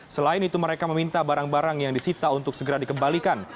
selain itu mereka meminta barang barang yang disita untuk segera dikembalikan